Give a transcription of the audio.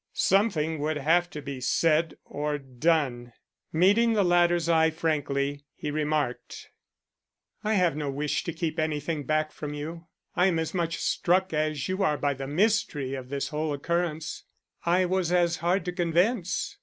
Something would have to be said or done. Meeting the latter's eye frankly, he remarked: "I have no wish to keep anything back from you. I am as much struck as you are by the mystery of this whole occurrence. I was as hard to convince.